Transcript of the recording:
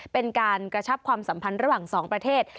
เป็นการกระชับความสัมพันธ์ระหว่างสองประเทศ